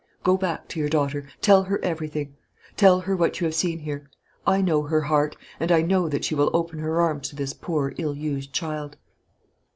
Go back to your daughter; tell her everything. Tell her what you have seen here. I know her heart, and I know that she will open her arms to this poor ill used child."